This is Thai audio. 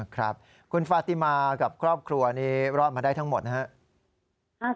ครับคุณฟาติมากับครอบครัวนี้รอดมาได้ทั้งหมดนะครับ